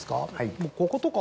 こことか。